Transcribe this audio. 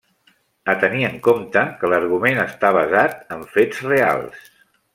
A tenir en compte que l'argument està basat en fets reals.